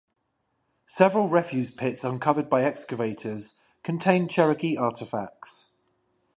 Several refuse pits uncovered by excavators contained Cherokee artifacts.